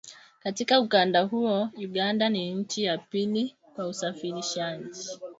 Katika ukanda huo, Uganda ni nchi ya pili kwa usafirishaj